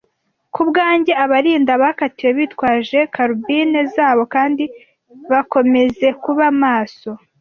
Kubwanjye abarinda abakatiwe bitwaje karbine zabo kandi bakomeze kuba maso,